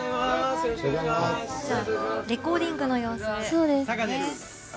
レコーディングの様子ですね。